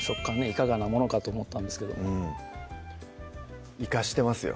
いかがなものかと思ったんですけどもいかしてますよ